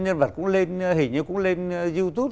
nhân vật cũng lên hình như cũng lên youtube